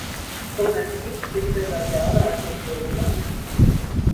On has dit que treballava aquest home?